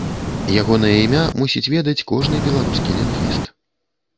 Ягонае імя мусіць ведаць кожны беларускі лінгвіст.